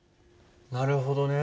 なるほどね。